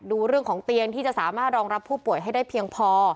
ดูเรื่องของเตียงที่จะสามารถรองรับผู้ป่วยให้ได้เพียงพอ